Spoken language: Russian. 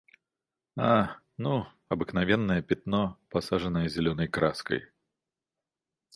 Ах, ну, обыкновенное пятно, посаженное зелёной краской.